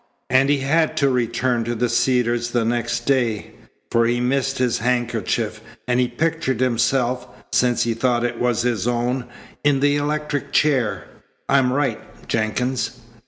And he had to return to the Cedars the next day, for he missed his handkerchief, and he pictured himself, since he thought it was his own, in the electric chair. I'm right, Jenkins?"